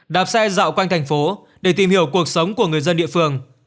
đạp xe dạo quanh thành phố để tìm hiểu cuộc sống của người dân địa phương